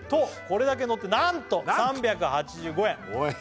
「これだけのってなんと３８５円」おい！